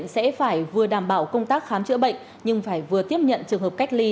sẽ phải vừa đảm bảo công tác khám chữa bệnh nhưng phải vừa tiếp nhận trường hợp cách ly